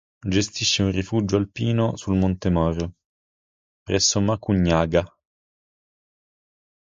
Gestisce un rifugio alpino sul Monte Moro, presso Macugnaga.